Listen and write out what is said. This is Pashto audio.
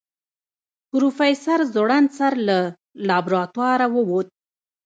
پروفيسر ځوړند سر له لابراتواره ووت.